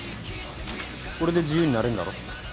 これで自由になれんだろ？